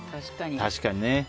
確かにね。